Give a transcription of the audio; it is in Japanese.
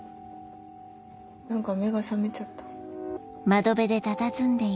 何か目が覚めちゃった。